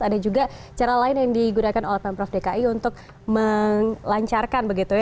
ada juga cara lain yang digunakan oleh pemprov dki untuk melancarkan begitu ya